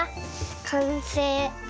かんせい。